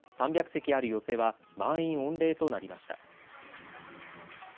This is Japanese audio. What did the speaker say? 席ある寄席は満員御礼となりました。